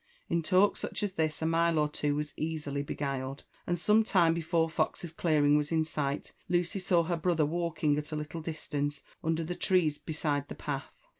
" In talk such as this a mile or two was easily beguiled ; and some time before Fox's clearing was in sight, Lucy saw her brother walking at a little distance under the trees beside the path.